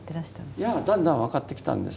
いやだんだん分かってきたんです。